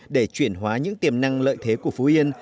để chuyển hóa những tiềm năng lợi thế của phú yên